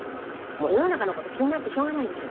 もう世の中の事気になってしょうがないでしょ？